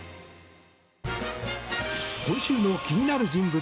今週の気になる人物